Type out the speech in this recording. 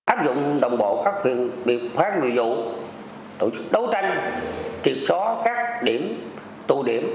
áp dụng đồng bộ các huyện biệt phát người dụ tổ chức đấu tranh triệt só các điểm tù điểm